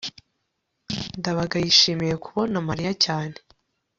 ndabaga yishimiye kubona mariya cyane